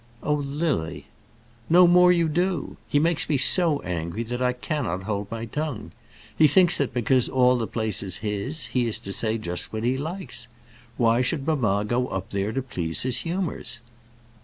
"Oh, Lily." "No more you do. He makes me so angry that I cannot hold my tongue. He thinks that because all the place is his, he is to say just what he likes. Why should mamma go up there to please his humours?"